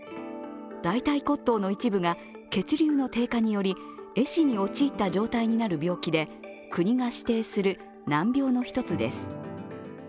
大たい骨頭の一部が血流の低下により壊死に陥った状態になる病気で国が指定する難病の一つです。